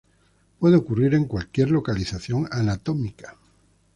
Puede ocurrir en cualquier localización anatómica.